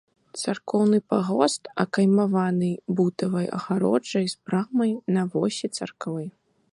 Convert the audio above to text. Царкоўны пагост акаймаваны бутавай агароджай з брамай на восі царквы.